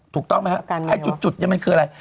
ถูกต้องไหมครับแอ้จุดนี้คืออะไร